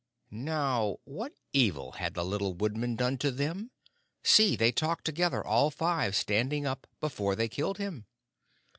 Now, what evil had the little woodman done to them? See, they talked together, all five, standing up, before they killed him.